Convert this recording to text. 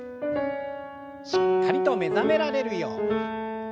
しっかりと目覚められるように。